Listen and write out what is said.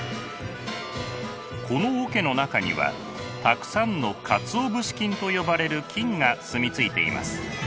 この桶の中にはたくさんのかつお節菌と呼ばれる菌が住み着いています。